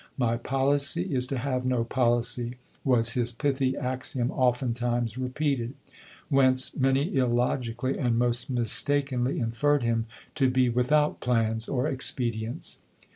" My policy is to have no policy," was his pithy axiom oftentimes repeated ; whence many illogically and most mistakenly inferred him to be without plans or expedients.